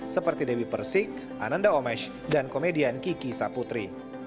seperti dewi persik ananda omesh dan komedian kiki saputri